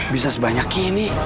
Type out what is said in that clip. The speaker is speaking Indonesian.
bisa sebanyak ini